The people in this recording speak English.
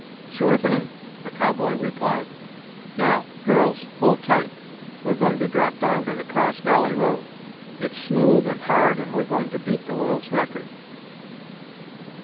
"Sure thing," the cowboy replied. "Now, girls, hold tight! We're going to drop down to the cross valley road. It's smooth and hard and we're going to beat the world's record."